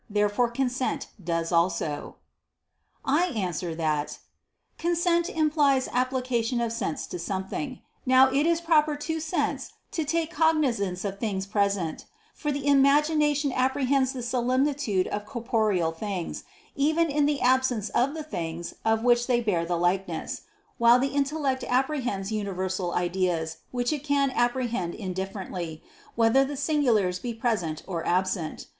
Therefore consent does also. I answer that, Consent implies application of sense to something. Now it is proper to sense to take cognizance of things present; for the imagination apprehends the similitude of corporeal things, even in the absence of the things of which they bear the likeness; while the intellect apprehends universal ideas, which it can apprehend indifferently, whether the singulars be present or absent.